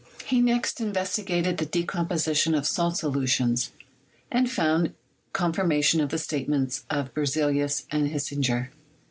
He next investigated the decomposition of salt solutions, and found confirmation of the statements of Berzelius and Hisinger.